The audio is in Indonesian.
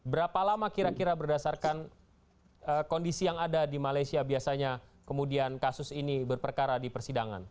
berapa lama kira kira berdasarkan kondisi yang ada di malaysia biasanya kemudian kasus ini berperkara di persidangan